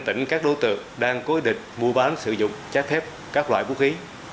tỉnh các đối tượng đang cố định mua bán sử dụng trái phép các loại vũ khí